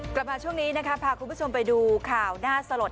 กลับมาช่วงนี้นะคะพาคุณผู้ชมไปดูข่าวน่าสลด